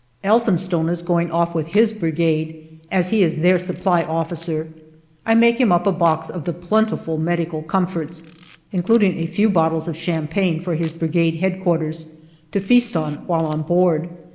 Elphinstone is going off with his Brigade, as he is their Supply Officer I make him up a box of the plentiful medical comforts, including a few bottles of champagne for his Brigade H.Q. to feast on while on board.